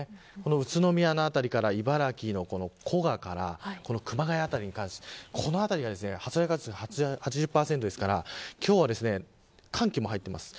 宇都宮の辺りから茨城の古賀から熊谷辺りに関してこの辺りは発雷確率８０％ですから今日は寒気も入っています。